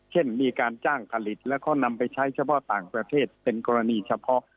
เช่นมีการจ้างผลิตแล้วก็นำไปใช้เฉพาะต่างประเทศเป็นกรณีเฉพาะ